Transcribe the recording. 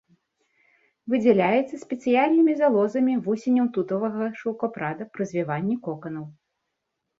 Выдзяляецца спецыяльнымі залозамі вусеняў тутавага шаўкапрада пры звіванні коканаў.